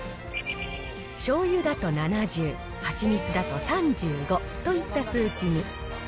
しょうゆだと７０、蜂蜜だと３５といった数値に。